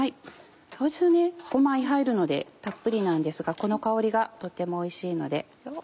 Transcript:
青じそ５枚入るのでたっぷりなんですがこの香りがとてもおいしいので。